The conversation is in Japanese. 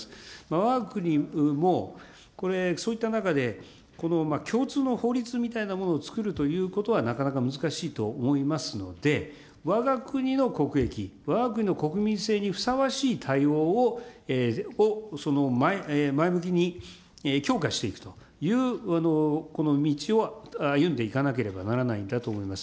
わが国も、これ、そういった中で、この共通の法律みたいなものを作るということは、なかなか難しいと思いますので、わが国の国益、わが国の国民性にふさわしい対応を、前向きに強化していくという、この道を歩んでいかなければならないんだと思います。